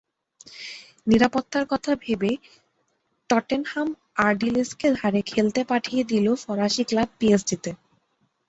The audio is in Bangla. নিরাপত্তার কথা ভেবে টটেনহাম আর্ডিলেসকে ধারে খেলতে পাঠিয়ে দিল ফরাসি ক্লাব পিএসজিতে।